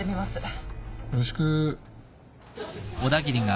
よろしく。